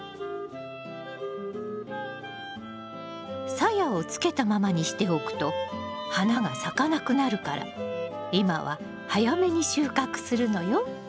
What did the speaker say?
サヤをつけたままにしておくと花が咲かなくなるから今は早めに収穫するのよ。